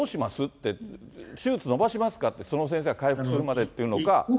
って、手術延ばしますかって、その先生が回復するまでっていうのか。